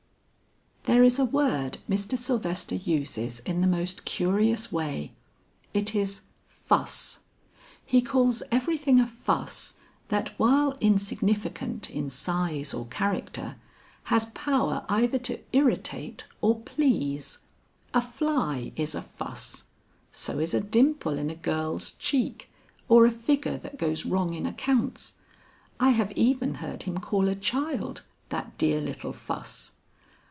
"There is a word Mr. Sylvester uses in the most curious way; it is fuss. He calls everything a fuss that while insignificant in size or character has power either to irritate or please. A fly is a fuss; so is a dimple in a girl's cheek or a figure that goes wrong in accounts. I have even heard him call a child, 'That dear little fuss.'